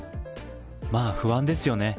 まあ不安ですよね。